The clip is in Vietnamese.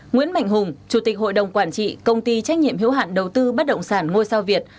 nguyễn mạnh hùng chủ tịch hội đồng quản trị công ty trách nhiệm hiếu hạn đầu tư bất động sản ngôi sao việt